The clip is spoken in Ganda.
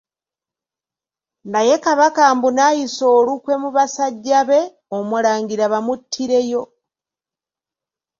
Naye Kabaka mbu n'ayisa olukwe mu basajja be, Omulangira bamuttireyo.